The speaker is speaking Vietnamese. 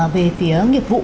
về phía nghiệp vụ